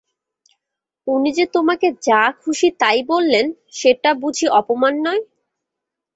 উনি যে তোমাকে যা-খুশি-তাই বললেন, সেটা বুঝি অপমান নয়?